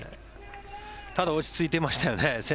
ただ、落ち着いていましたよね